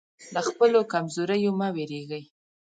له خپلو کمزوریو مه وېرېږئ.